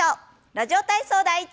「ラジオ体操第１」。